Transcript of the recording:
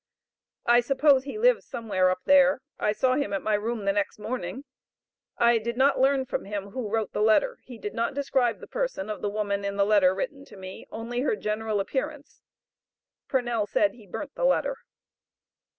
I suppose he lives somewhere up there; I saw him at my room the next morning; I did not learn from him who wrote the letter; he did not describe the person of the woman in the letter written to me, only her general appearance; Purnell said he burnt the letter.